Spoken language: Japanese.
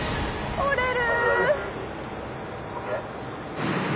折れる！